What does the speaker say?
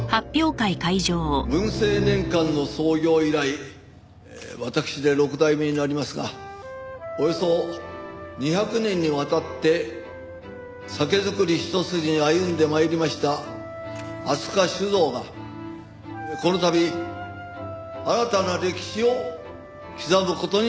文政年間の創業以来私で６代目になりますがおよそ２００年にわたって酒造りひと筋に歩んで参りました飛鳥酒造はこの度新たな歴史を刻む事になりました。